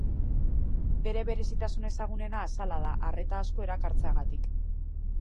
Bere berezitasun ezagunena azala da, arreta asko erakartzeagatik.